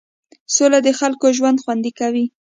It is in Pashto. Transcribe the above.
سوله د خلکو ژوند خوندي کوي.